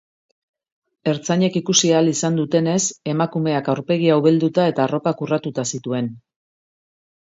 Ertzainek ikusi ahal izan dutenez, emakumeak aurpegia ubelduta eta arropak urratuta zituen.